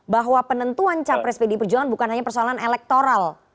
bahwa penentuan capres pdi perjuangan bukan hanya persoalan elektoral